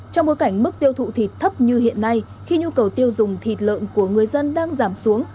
trong bối cảnh mức tiêu thụ thịt thấp như hiện nay khi nhu cầu tiêu dùng thịt lợn của người dân đang giảm xuống